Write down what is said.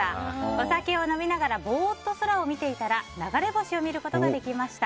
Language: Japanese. お酒を飲みながらぼーっと空を見ていたら流れ星を見ることができました。